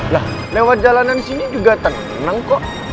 nah lewat jalanan sini juga tenang kok